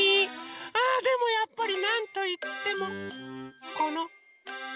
あでもやっぱりなんといってもこのおはな。